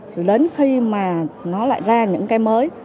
thì đến khi mà nó lại ra những cái mới